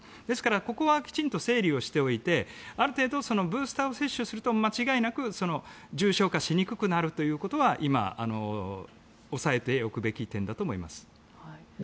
ですからここはきちんと整理をしておいてある程度ブースター接種すると間違いなく重症化しにくくなるということは今、押さえておくべき点だと思います。